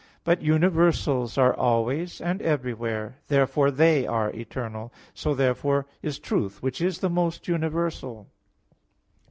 But universals are always and everywhere; therefore they are eternal. So therefore is truth, which is the most universal.